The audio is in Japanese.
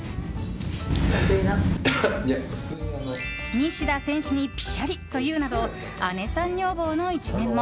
西田選手にぴしゃりと言うなど姉さん女房の一面も。